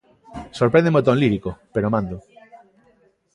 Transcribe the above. Sorpréndeme o ton lírico, pero mándoo.